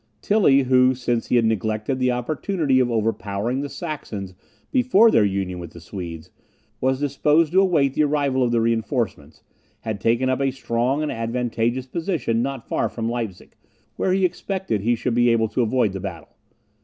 Tilly, who, since he had neglected the opportunity of overpowering the Saxons before their union with the Swedes, was disposed to await the arrival of the reinforcements, had taken up a strong and advantageous position not far from Leipzig, where he expected he should be able to avoid the battle.